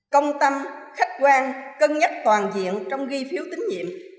công tâm khách quan cân nhắc toàn diện trong ghi phiếu tín nhiệm